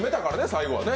最後はね。